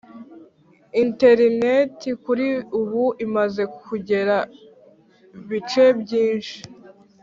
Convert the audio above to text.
interineti kuri ubu imaze kugera bice byinshi